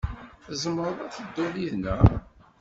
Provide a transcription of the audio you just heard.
Tzemreḍ ad tedduḍ yid-neɣ.